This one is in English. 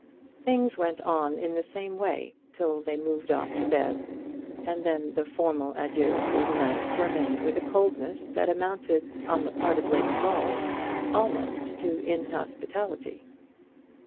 Things went on in the same way till they moved off to bed, and then the formal adieus for the night were made with a coldness that amounted, on the part of Lady Ball, almost to inhospitality.